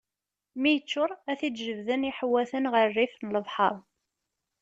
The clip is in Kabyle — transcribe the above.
Mi yeččuṛ, ad t-id-jebden iḥewwaten ɣer rrif n lebḥeṛ.